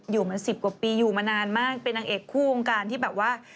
อยู่มา๑๐กว่าปีอยู่มานานมากเป็นนางเอกคู่วงการที่แบบว่า